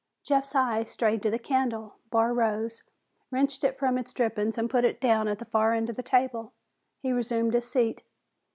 Jeff's eyes strayed to the candle. Barr rose, wrenched it from its drippings and put it down at the far end of the table. He resumed his seat.